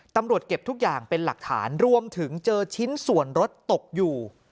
ตำรวจเก็บทุกอย่างเป็นหลักฐานรวมถึงเจอชิ้นส่วนรถตกอยู่